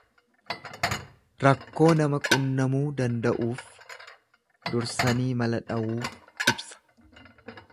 Rakkoo nama qunnamuu danda'uuf dursanii mala dhawuu ibsa.